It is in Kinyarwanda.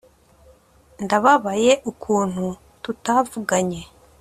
ndababaye ukuntu tutavuganye